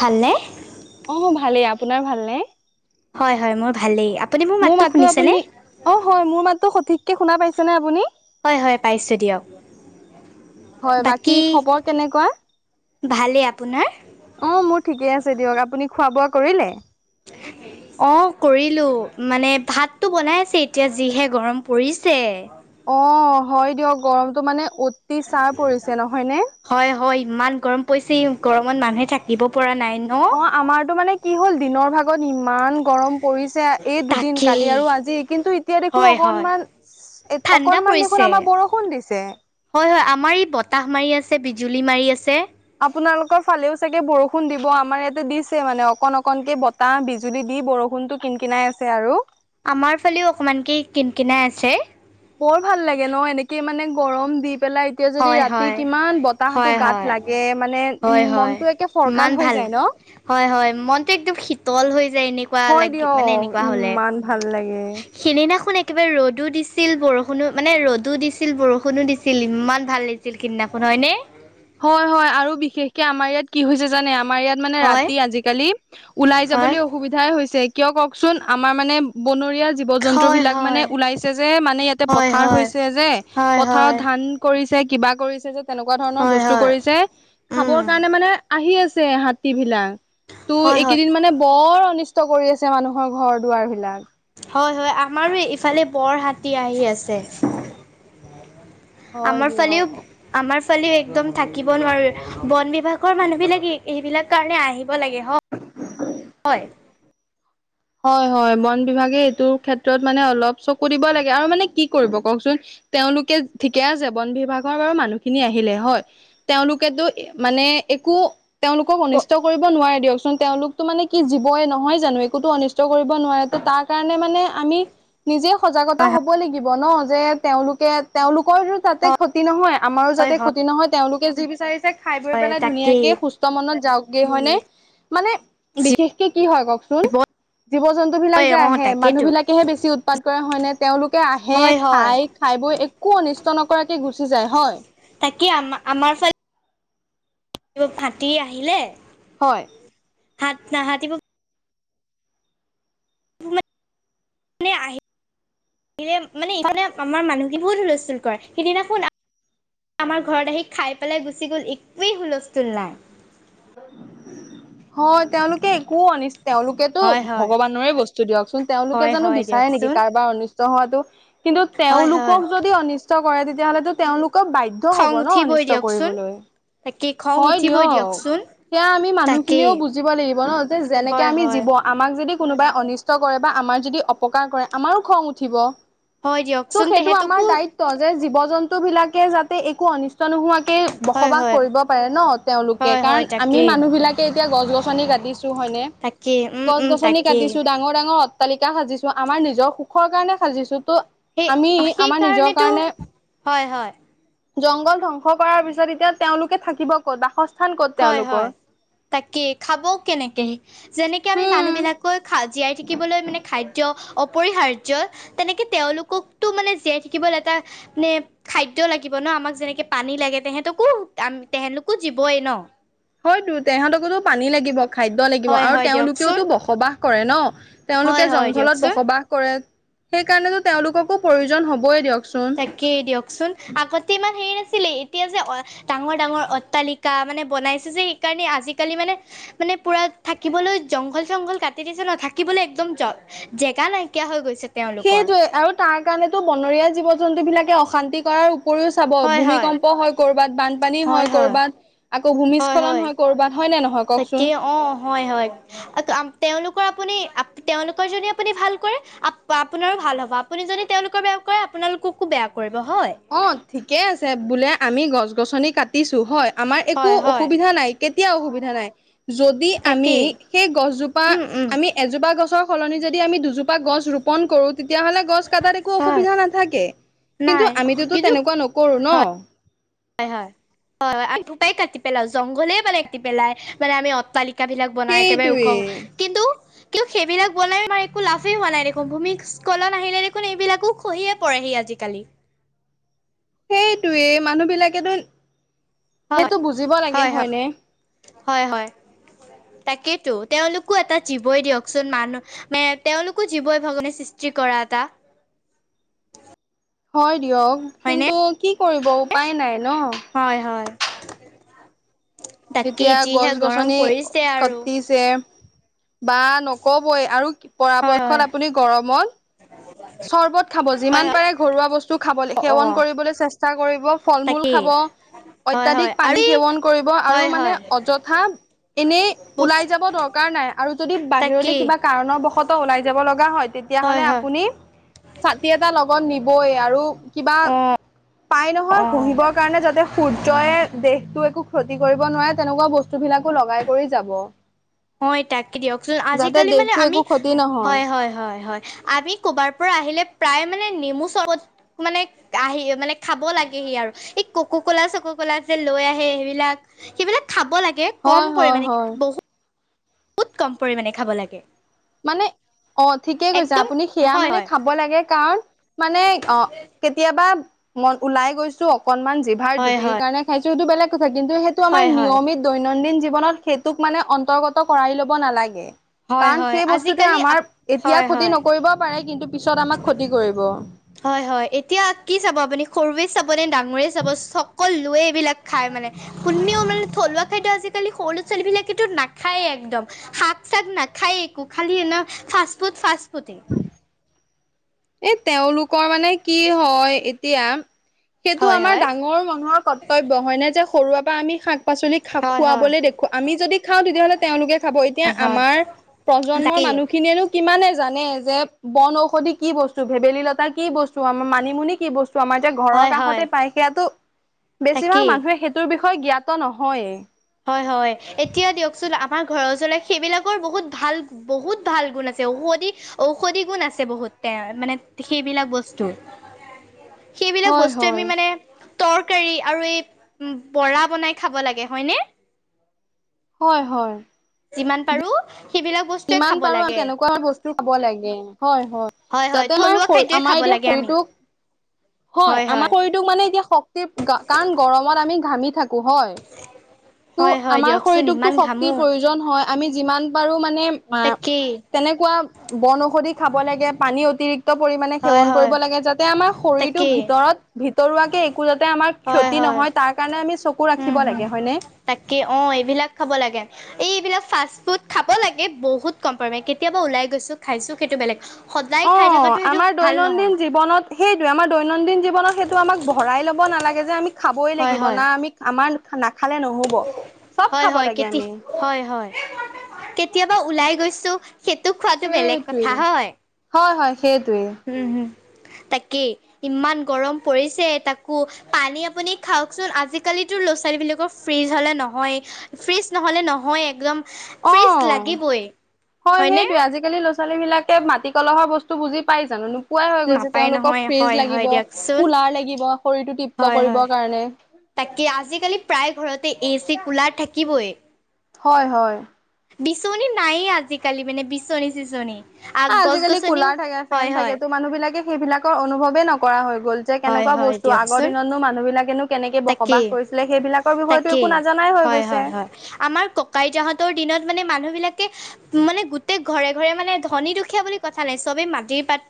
ভালনে?। অ' ভালেই। আপোনাৰ ভালনে?। হয় হয় মোৰ ভালেই। আপুনি মোৰ মাতটো মাতো শুনিছেনে?। আপুনি অ' হয় মোৰ মাতো সঠিককে শুনা পাইছেনে আপুনি?। হয় হয় পাইছোঁ দিয়ক। হয় বাকী। খবৰ কেনেকুৱা? ভালেই। আপোনাৰ?। অ' মোৰ ঠিকেই আছে দিয়ক। আপুনি খোৱা বোৱা কৰিলে?। [unintelligible] অঁ কৰিলোঁ। মানে ভাতটো বনাই আছে। এতিয়া যিহে গৰম পৰিছে। অ' হয় দিয়ক গৰমতটো মানে অতি চাৰ পৰিছে নহয়নে?। হয় হয়, ইমান গৰম পৰিছে গৰমত মানুহে থাকিব পৰা নাই। ন অ' আমাৰতো মানে কি হ'ল, দিনৰ ভাগত ইমান গৰম পৰিছে। এই দুদিন তাকেই কালি আৰু আজি, কিন্তু এতিয়া দেখোন হয় হয় অকনমান। এই ঠাণ্ডা অকনমান দেখোন পৰিছে আমাৰ বৰষুণ দিছে। হয় হয় আমাৰ ই বতাহ মাৰি আছে বিজুলী মাৰি আছে। আপোনালোকৰ ফালেও চাগে বৰষুণ দিব আমাৰ ইয়াতে দিছে মানে অকণ অকণকে বতাহ। টা বিজুলী দি বৰষুণটো কিন কিনাই আছে আৰু। আমাৰ ফালেও অকমান কি কিনকিনই আছে। বৰ ভাল লাগে ন এনেকে মানে গৰম দি পেলাই। এতিয়া যদি হয় ৰাতি হয় কিমান বতাহতটো হয় গাত হয় লাগে মানে উ হয় হয় মনটো একে ইমান ফৰকাল ভাল হৈ যায় ন। হয় হয় মনটো একদম শীতল হৈ যায় এনেকুৱা হয় লাগি মানে দিয়ক এনেকুৱা হ'লে। ইমান ভাল লাগে সেইদিনাখন একেবাৰে ৰ'দো দিছিল বৰষুণো মানে ৰ'দো দিছিল বৰষুণো দিছিল। ইমান। ভাল লাগিছিল সিদিনাখন হয়নে?। হয় হয় আৰু বিশেষকে আমাৰ ইয়াত কি হৈছে জানে? আমাৰ ইয়াত। মানে হয় ৰাতি আজালি ওলাই হয় যাবলৈ অসুবিধা। হৈছে। কিয় কওঁকচোন আমাৰ মানে বনৰীয়া। জীৱ জন্তু হয় বিলাক মানে ওলাইছে যে, মানে ইয়াতে হয় হয় পথাৰ হয় হৈছে যে, হয় পথাৰত হয় ধান। কৰিছে কিবা কৰিছে যে তেনেকুৱা ধৰণৰ হয় বস্তু। হয় তে খাবৰ উম কাৰণে মানে আহি আছে হাতী বিলাক। তো হয় হয় এইকেইদিন মানে বৰ অনিষ্ট কৰি আছে মানুহৰ ঘৰ দুৱাৰ বিলাক। হয় হয় আমাৰো ইফালে বৰ হাতী আহি আছে। হয় আমাৰ দিয়ক ফালেও। আমাৰ ফালে একদম থাকিব নোৱাৰো। বন বিভাগৰ মানুহ বিলাক সেইবিলাক কাৰণে আহিব। ব লাগে, হয়। হয় হয় বন বিভাগে এইটোৰ ক্ষেত্ৰত মানে অলপ চকু দিব লাগে। আৰু মানে কি কৰিব কওঁকচোন। তেওঁলোকে ঠিকে আছে, বন বিভাগৰ বাৰু মানুহখিনি আহিলে হয়। তেওঁলোকেতো মানে একো। তেওঁলোকক অনিষ্ট কৰিব নোৱাৰে দিয়কচোন, তেওঁলোকতো মানে কি জৱইে নহয় জানো। একোতো অনিষ্ট। ত কৰিব নোৱাৰেতো, তাৰ কাৰণে মানে। আমি নিজে সজাগতা হয় হ'ব লাগিব ন, যে তেওঁলোকে তেওঁলোকৰ তাতে। ক্ষতি নহয়, আমাৰো হয় যাতে ক্ষতি নহয়। তেওঁলোকে য বিচাৰিছে খাই বৈ হয় পেলাই তাকেই ধুনীয়াকে সুস্থ। মনত যাওগে হয়নে, মানে বিশেষকে কি হয় কওঁকচোন। জীৱই জীৱ-জন্তুবিলাক যে অ আহে মানুহ তাকেইতো বিলাকেহে বেছি উৎপাত কৰে হয় নে? তেওঁলোকে আহে হয় হয় খাই খাই বৈ একো অনিষ্ট নকৰাকে গুচি যায় হয়। তাকে আমা-আমাৰ ফালে [unintelligible] হাতী আহিলে হয়। হাত না হাতীবো নে আহে আহিলে মানে ইফালে আমাৰ মানুহবোৰ বহুত হুলস্থুল কৰে। সিদিনাখন আমাৰ ঘৰত আহি খাই পেলাই গুচি গ'ল একোৱেই হুলস্থুল নাই। [unintelligible] হয় তেওঁলোকে একো অনিষ্ট তেওঁলোকেতো হয় হয় ভগৱানৰে বস্তু দিয়ক চোন তেওঁলোকে হয় জানো হয় বিচাৰে নেকি দিয়কচোন কাৰোবাৰ অনিষ্ট হোৱাটো। কিন্তু হয় হয় তেওঁলোকক যদি অনিষ্ট কৰে তেতিয়াহ'লেতো তেওঁলোকক বাইট বাধ্য হ'ব ন অনিষ্ট কৰিবলৈ। তাকে খং উঠিবই দিয়ক চোন। এতিয়া আমি মানুহখিনিও বুজিব লাগিব ন যে যেনেকে হয় আমি হয় জীৱন আমাক যদি কোনোবাই অনিষ্ট কৰে বা আমাৰ যদি অপকাৰ কৰে আমাৰো খং উঠিব। হয় ত' দিয়কচোন সেইটো আমাৰ তেহেঁতকো দায়িত্ব যে জীৱ-জন্তুবিলাকে যাতে একো অনিষ্ট অনিষ্ট নোহোৱাকে হয় বসবাস হয় কৰিব পাৰে ন। তেওঁলোকে হয় হয় কাৰণ আমি তাকেই মানুহ বিলাকে এতিয়া গছ-গছনি কাটিছো হয়নে? তাকেই উম উম গছ-গছনি তাকেই কাটিছো, ডাঙৰ-ডাঙৰ অত্ৰালিকা সাজিছোঁ আমাৰ নিজৰ সুখৰ কাৰণে সাজিছোঁ তো সেই আমি সেই আমাৰ নিজৰ কাৰণেতো কাৰণে হয় হয় জংঘল ধ্বংস কৰাৰ পিছত এতিয়া তেওঁলোকে থাকিব ক'ত বাসস্থ হয়-হয়, তাকে খাবও কেনেকে, যেনেকে আমি মানুহ উম বিলাক [unintelligible] জীয়াই থাকিবলৈ মানে খাদ্য অপৰিহাৰ্য। তেনেকে তেওঁলোককটো মানে জীয়াই থাকিবলৈ এটা নে খাদ্য লাগিব ন আমাক যেনেকে পানী লাগে। তেহেতকো তেহেঁতলোকো জীৱই ন। হয়তো তেহঁতকো পানী লাগিব, খাদ্য লাগিব হয় আৰু হয় দিয়কচোন তেওঁলোকেওতো বসবাস কৰে ন। হয় তেওঁলোকে হয় জংঘলত দিয়কচোন বসবাস কৰে। সেই কাৰণেতো তেওঁলোককো প্ৰয়োজন হ'ব‌ই দিয়ক চোন। কেই দিয়ক চোন আগতে ইমান হেৰি নাছিলে এতিয়া যে অ ডাঙৰ-ডাঙৰ অট্টালিকা মানে বনাইছে যে সেইকাৰণে আজিকালি মানে মানে পুৰা থাকিবলৈ জংঘল-চংঘল কাটি দিছে ন থাকিবলৈ একদম জ জেগা নাইকিয়া হৈ গৈছে। তেওঁলোকৰ সেইটোৱেই আৰু তাৰ কাৰণেতো বনৰীয়া জীৱ-জন্তু বিলাকে অশান্তি কৰাৰ উপৰিও চাব ভূমিকম্প হয় কৰ'বাত, বানপানী হয় কৰ'বাত। আকৌ ভূমিস্খলন হয় কৰ'বাত হয় নে নহয় কওক চোন? হয়-হয়। [unintelligible] তেওঁলোকৰ আপুনি তেওঁলোকৰ যদি আপুনি ভাল কৰে আপোনাৰো ভাল হ'ব। আপুনি যদি তেওঁলোকৰ বেয়া কৰে আপোনালোককো বেয়া কৰিব হয়। অঁ! ঠিকে আছে বোলে আমি গছ-গছনি কাটিছো হয় আমাৰ একো হয় হয় অসুবিধা নাই। কেতিয়াও অসুবিধা নাই যদি আমি তাকেই সেই গছজোপা উম উম আমি এজোপা গছৰ সলনি যদি আমি দুজোপা গছ ৰোপণ কৰোঁ তেতিয়া হ'লে গছ কটাত একো হয় অসুবিধা নাথাকে। কিন্তু নাই আমিটোতো তেনেকুৱা নকৰো ন। হয়-হয়। হয়-হয় [unintelligible] গছ জোপাই কাটি পেলাও। জংঘলেই মানে কাটি পেলাই মানে আমি অট্টালিক [unintelligible] বিলাক বনাই একেবাৰে ওখ। সেইটোৱে কিন্তু [unintelligible] [unintelligible] সেইবিলাক বনাই আমাৰ একো লাভেই হোৱা নাই দেখোন ভূমিচকলন আহিলে দেখোন এইবিলাকো খহিয়ে পৰেহি আজিকালি। হেইটোৱে মানুহ বিলাকেতোন হ, হয়, হ, হয়নে হয়, হয়। তাকেইতো তেওঁলোকো এটা জীৱই দিয়কচোন মানুহ মে তেওঁলোকো জীৱই [unintelligible] সৃষ্টি কৰা এটা। হয় দিয়ক হয়নে কিন্তু কি কৰিব উপায় নাই ন। হয়, হয়। তাকে এতিয়া যিহে গৰম পৰিছে আৰু। তে, বা নকবই আৰু হয় হয় পৰাপক্ষত আপুনি গৰমত চৰ্বত খাব হয় যিমান হয় পাৰে ঘৰুৱা বস্তু খাবলে, অ অ সেৱন কৰিবলৈ চেষ্টা কৰিব। ফল মূল তাকেই খাব, হয় হয় অত্যাধিক পানী আৰু এই সেৱন কৰিব আৰু হয় মানে হয় অযথা এনেই বচ ওলাই যাব দৰকাৰ নাই। আৰু যদি বাহিৰলৈ তাকেই কিবা কাৰণৰবশতঃ ওলাই যাব লগা হয় তে তিয়াহ'লে আপুনি ছাতি এটা লগত নিবই আৰু কিবা অ পাই নহয় অ ঘহিব। কাৰণে যাতে সূৰ্যয়ে দেহতো একো ক্ষতি কৰিব নোৱাৰে তেনেকুৱা বস্তু ভিলাকো লগাই কৰি যাব। [unintelligible] হয় তাকে দিয়কচোন যাতে আজিকালি মানে দেহটো আমি একো ক্ষতি নহয় হয়, হয়, হয়, হয় আমি ক'বাৰ পৰা আহিলে প্ৰায় মানে নেমু চৰ্বত, মানে আহি মানে খাব লাগেহি আৰু। এই কক' কলা চক' কলা যে লৈ আহে হেবিলাক, সেইবিলাক খাব লাগে। কম হয় হয় পৰিমাণে, হয় বহু, হুত কম পৰিমাণে খাব লাগে। মানে অ' ঠিকে কৈছে একদম আপুনি সেয়া হয় মানে হয় খাব লাগে কাৱণ মানে অ' কেতিয়াবা মন, ওলাই গৈছোঁ অ কনমান জিভাৰ হয় জুতিৰ হয় কাৰণে খাইছোঁ হেটো বেলেগ কথা কিন্তু হেটো আমাৰ হয় হয় নিয়মিত দৈনন্দিন জীৱনত সেইটোক মানে অন্তৰ্গত কৰাই ল'ব নালাগে। হয়, কাৰণ হয়। সেই বস্তুটোৱে আজিকালি আপ আমাৰ এতিয়া হয় ক্ষতি হয় নকৰিব পাৰে কিন্তু পিছত আমাক ক্ষতি কৰিব। হয়, হয়। এতিয়া কি চাব আপুনি সৰুৱে চাব নে ডাঙৰে চাব চকলোৱে এইবিলাক খাই মানে কোনেও মানে থলুৱা খাদ্য আজি কালি সৰু ল'ৰা ছোৱালীবিলাকেতো নাখায়েই একদম। শাক চাক নাখায়ে একো খালি [unintelligible] ফাষ্ট পুট ফাষ্ট পুটে। এই তেওঁলোকৰ মানে কি হয় এতিয়া সেটো হয় আমাৰ হয় ডাঙৰ মনুৱৰ কত তব্য হয়নে যে সৰুৰে পৰা আমি শাক পাচলি খা, হয় হয় খুৱাবলৈ দেখোঁ, আমি যদি খাওঁ তেতিয়াহ'লে তেওঁলোকে খাব এতিয়া হয় হয় আমাৰ প্ৰজন্মৰ তাকেই মানুহখিনিয়েনো কিমানে জানে যে, বন ঔষধি কি বস্তু? ভেবেলীলতা কি বচ টো আমাৰ মানিমুনি কি বস্তু আমাৰ যে ঘৰৰ হয় হয় কাষতে পায় সেইয়াতো বেছি ভাগ তাকেই মানুহে সে টোৰ বিষয়ে জ্ঞাত নহয়েই। হয়, হয়। এতিয়া দিয়কচোন আমাৰ ঘৰৰ ওচলৈ সেইবিলাকৰ বহুত ভাল। বহুত ভাল গুণ আছে ঔষধি, ঔষধি গুণ আছে বহুত তে, মানে সেইবিলাক বস্তুৰ। [inaudible] সেইবিলাক হয় বস্তু আমি হয় মানে তৰকাৰী আৰু এই বৰা বনাই খাব লাগে হয়নে? হয়, হয়। যিমান পাৰোঁ সেইবিলাক বচ যিমান পাৰোঁ [unintelligible] তেনেকুৱা বস্তু খাব লাগে হয়, হয়। হয় যাতে আমাৰ থলুৱা শৰ, খাদ্যই খাব আমাৰ এতিয়া লাগে আমি। শইটোক হয় আমাৰ শৰীৰটোক মানে এতিয়া শক্তিৰ কাৰণ গৰমত আমি ঘামি থাকো হয়। [inaudible] টো আমাৰ দিয়কচোন শৰীৰটোকতো ইমান শক্তিৰ ঘামো প্ৰয়োজন হয়। আমি যিমান পাৰো মানে তাকেই তেনেকুৱা বন ঔষধি খাব লাগে। পানী অতিৰি- ক্ত পৰিমাণে হয় সেৱন হয় কৰিব লাগে যাতে আমাৰ শৰীৰটোৰ তাকেই ভিতৰত ভিতৰুৱাকে একো যাতে আমাৰ হয় ক্ষতি হয় নহয় তাৰ কাৰণে আমি চকু উম ৰাখিব হম লাগে হয়নে। তাকে অ' এইবিলাক খাব লাগে। এই এইবিলাক ফাষ্ট ফুড খাব লাগে বহুত কম পৰিমাণে কেতিয়াবা ওলাই গৈছো খাইছো সেইটো বেলেগ। সদায় খাই থকাটো সেইটো ভাল নহয়। সেইটোয়ে আমাৰ দৈনন্দিন জীৱনত সেইটো আমাক ভৰাই ল'ব নালাগে যে আমি খাবই হয় লাগিব। হয় না আমি আমাৰ নাখালে নহ'ব চব হয়, খাব হয়, লাগে কেতি আমি হয় হয় কেতিয়াবা ওলাই গৈছো সেইটো খোৱাটো বেলেগ সেইটোৱে কথা হয়। হয়, হয় সেইটোৱে উম হোম তাকেই ইমান গৰম পৰিছে তাকো পানী আপুনি খাওকচোন আজিকালিতো ল'ৰা ছোৱালী বিলাকৰ ফ্ৰিজ হলে নহয়েই। ফ্ৰিজ নহ'লে নহয়ে একদম অ ফ্ৰিজ লাগিবই, হয় হয়নে। সেইটোৱে আজিকালি ল'ৰা ছোৱালীবিলাকে মাটি কলহৰ বস্তু বুজি পাইজানো। নোপোৱাই হৈ গৈছে নাপায় তেওঁলোকক নহয় ফ্ৰিজ হয় হয় লাগিব, দিয়কচোন কুলাৰ লাগিব, শৰীৰটো তৃপ্ত হয় হয়। কৰিবৰ কাৰণে। তাকে আজিকালি প্ৰায় ঘৰতে এ চি কুলাৰ থাকিবই। হয়, হয়! বিচনী নায়ে আজিকালি মানে। বিচনী চিচনী, আগ আ গছ আজিকালি গছনিও কুলাৰ থাকে, ফেন হয় থাকে, হয় তো মানুহ বিলাকে সেইবিলাকৰ অনুভৱে নকৰা হৈ গ'ল, যে, হয় কেনেকুৱ হয় বস্তু আগৰ দিয়কচোন দিনতনো মানুহ বিলাকেনো কেনেকে বস বসবাস তাকেই কৰিছিলে সেইবিলাকৰ বিষয়টো তাকেই একো নাজানাই হৈ হয় গৈছে। হয় হয় আমাৰ ককা-আইতা হতৰ দিনত মানে মানুহ বিলাকে, মানে গোটেই ঘৰে, ঘৰে মানে ধনী দুখীয়া বুলি কথা নাই চবেই মাটিৰ পাত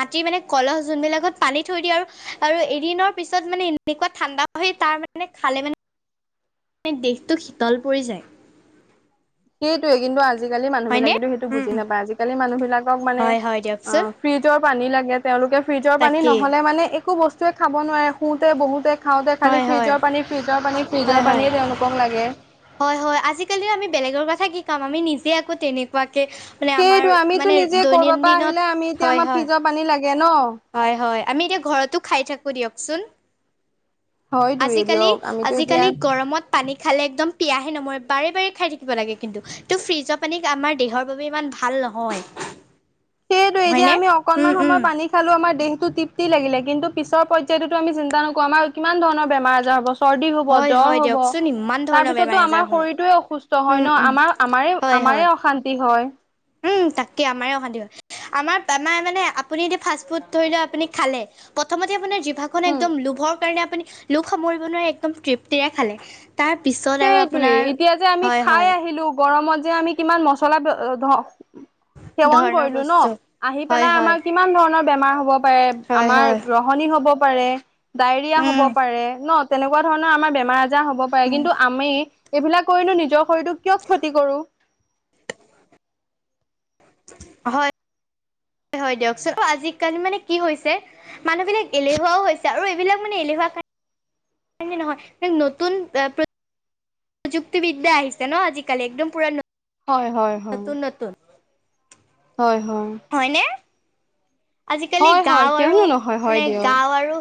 মাটি মানে কলহ যোনবিলাকত পানী থৈ দিয়ে আৰু আৰু এদিনৰ পিছত মানে এনেকুৱা ঠাণ্ডা, সেই তাৰ মানে খালে মানে? দেশটো শীতল পৰি যায়। সেইটোৱে কিন্তু আজিকালি হয়নে মানুহবিলাকেতো সেইটো বুজি নাপায় আজিকালি মানুহবিলাকক মানে? হয় হয় দিয়কচোন ফ্ৰিজৰ পানী লাগে। তেওঁলোকে ফ্ৰিজৰ পানী তাকেই নহ'লে মানে একো বস্তুৱে খাব নোৱাৰে শুওঁতে বহুতে, খাওঁতে খালী হয় হয় ফ্ৰিজৰ পানী, ফ্ৰিজৰ পানী, হয় ফ্ৰিজৰৰ হয় পানীয়ে তেওঁলোকক লাগে! হয় হয় আজিকালি আমি বেলেগৰ কথা কি কম আমি নিজে আকৌ তেনেকুৱাকে মানে আমাৰ সেইটো আমিতো মানে নিজে কৰবাৰ পৰা দৈনন্দিনত আহিলে আমি এতিয়া হয় আমাৰ হয় ফ্ৰিজৰ পানী লাগে ন। হয়, হয়, আমি এতিয়া ঘৰতো খাই থাকোঁ দিয়কচোন। হয় দুয়ে আজিকালি! দিয়ক আমিতো এতিয়া আজিকালি গৰমত, পানী খালে একদম পিয়াহে নমৰে! বাৰে বাৰে খাই থাকিব লাগে! কিন্তু, ত' ফ্ৰিজৰ পানী আমাৰ দেহৰ বাবে ইমান ভাল নহয়। সেইটো এতিয়া হয়নে আমি উম অকনমান উম সময় পানী, খালো আমাৰ দেহটো তৃপ্তি লাগিলে। কিন্তু পিছৰ পয্যায়তো আমি চিন্তা নকৰো আমাৰ কিমান ধৰণৰ বেমাৰ আজাৰ হব। চৰ্দি হব, হয় হয় জ্বৰ হ'ব! দিয়কচোন ইমান ধৰণৰ তাৰপিছতো বেমাৰ আজাৰ আমাৰ হয় শৰীৰটোৱে অসুস্থ হয় উম ন। উম আমাৰ আমাৰে হয় হয় আমাৰে অশান্তি হয়! উম তাকে আমাৰ অশান্তি হয়। আমাৰ আমাৰ মানে আপুনি এতিয়া ফাষ্ট ফুড ধৰি লও আপুনি খালে! প্ৰথমতে আপোনাৰ জিভা খন হম একদম লোভৰ কাৰণে আপুনি লোভ সামৰিব নোৱাৰে একদম তৃপ্তিৰে খালে! তাৰ পিছত আৰু সেইটোৱে আপোনাৰ এতিয়া যে আমি হয় খাই হয়! আহিলো গৰমত যে আমি কিমান মচলা [unintelligible] সেৱন ধৰণৰ কৰিলো ন, বস্তু আহি হয় পেলাই হয় আমাৰ কিমান ধৰণৰ বেমাৰ হ'ব পাৰে। হয় মাৰ হয় গ্ৰহণী হ'ব পাৰে, ডায়ৰিয়া হ'ব উম পাৰে ন। তেনেকুৱা ধৰণৰ আমাৰ বেমাৰ আজাৰ হ'ব পাৰে উম কিন্তু আমি এইবিলাক কৰিনো নিজৰ শৰীৰতোক কিয় ক্ষতি কৰো। হয়। হয় দিয়কচোন আজিকালি মানে কি হৈছে মানুহ বিলাক এলেহুৱাও হৈছে আৰু এইবিলাক মানে এলেহুৱা কাৰণে [unintelligible] নহয় নতুন প্ৰযুক্তিবিদ্যা আহিছে ন আজিকালি একদম পুৰা ন হয়, হয়, হয়। হয়, হয়। হয়নে আজিকালি হয় হয় গাঁও আৰু কিয়নো নহয় হয় মানে দিয়ক গাঁও আৰু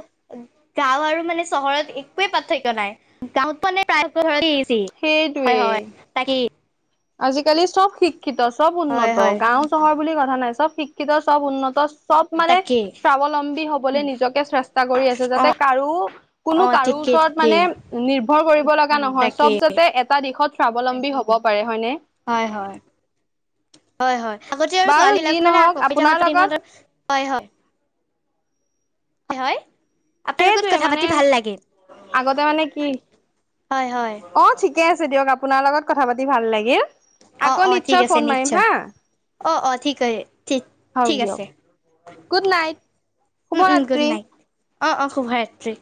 গাঁও আৰু মানে চহৰত একোৱে পাৰ্থক্য নাই গাঁৱত মানে প্ৰায় ঘৰতে এচি হয়, হয়। সেইটোৱেই তাকে। আজিকালি চব শিক্ষিত চব হয় উন্নত। হয় গাওঁ চহৰ বুলি কথা নাই চব শিক্ষিত চব উন্নত। চব মানে তাকেই স্বাৱলম্বী হ'বলে নিজকে চেষ্টা কৰি আছে, অ যাতে কাৰো কোনো অ কাৰো ঠিকেই ওচৰত ঠিকেই মানে নিৰ্ভৰ কৰিব লগা নহয় চব তাকেই যাতে এটা দিশত স্বাৱলম্বী হ'ব পাৰে হয় নে? হয়, হয়। হয়, হয় আগতে আৰু বাৰু যি ছোৱালীক মানে নহওক আপোনাৰ [unintelligible] দিনত লগত আৰু। হয় হয়। হয়। আপোনাৰ লগত সেইটোৱে কথা মানে পাতি ভাল লাগিল। আগতে মানে কি হয়, হয়। অ ঠিকে আছে দিয়ক আপোনাৰ লগত কথা পাতি ভাল লাগিল। অ আকৌ অ ঠিক নিশ্চয় আছে ফোন মাৰিম নিশ্চয় হা। অ অ ঠিক ঠিক ঠিক হওক আছে দিয়ক। Good night. উম, উম গুড শুভৰাত্ৰি নাইট। অ', অ' শুভৰাত্ৰি।